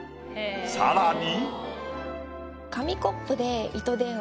さらに。